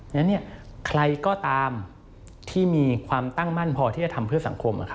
ฉะนั้นใครก็ตามที่มีความตั้งมั่นพอที่จะทำเพื่อสังคม